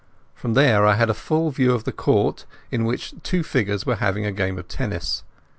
From there I had a full view of the court, on which two figures were having a game of tennis.